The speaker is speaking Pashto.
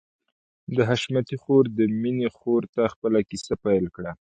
د حشمتي خور د مينې خور ته خپله کيسه پيل کړه.